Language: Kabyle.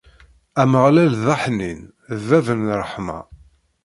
Ameɣlal, d aḥnin, d bab n ṛṛeḥma.